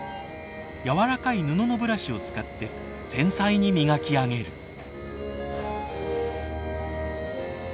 柔らかい布のブラシを使って繊細に磨き上げる。